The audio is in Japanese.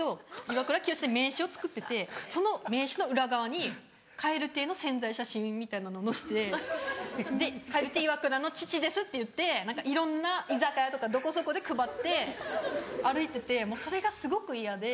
岩倉清志って名刺を作っててその名刺の裏側に蛙亭の宣材写真みたいなの載せて「蛙亭・イワクラの父です」って言っていろんな居酒屋とかどこそこで配って歩いててもうそれがすごく嫌で。